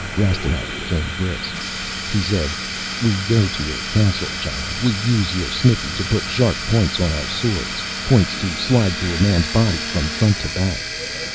Rastignac became brisk. He said, "We go to your castle, Giant. We use your smithy to put sharp points on our swords, points to slide through a man's body from front to back.